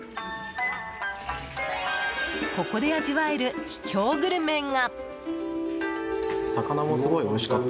ここで味わえる秘境グルメが。